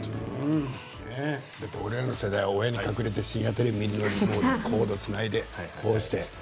俺らの世代は親に隠れて深夜テレビ見るのにコードをつないでね。